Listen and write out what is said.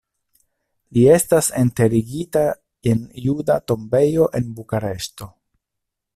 Li estas enterigita en Juda Tombejo en Bukareŝto.